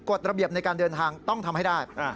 ระเบียบในการเดินทางต้องทำให้ได้